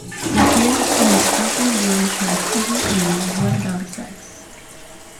He appears on the spoken word track Evil E-What About Sex?